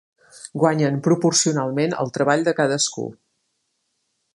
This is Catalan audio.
Guanyen proporcionalment al treball de cadascú.